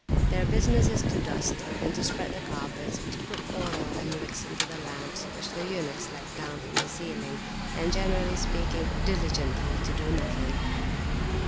Their business [p.373]is to dust, and to spread the carpets, to put oil and wicks into the lamps which the eunuchs let down from the ceiling, and, generally speaking, diligently to do nothing.